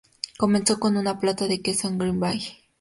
Comenzó con una planta de queso en Green Bay.